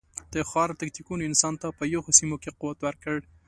د ښکار تکتیکونو انسان ته په یخو سیمو کې قوت ورکړ.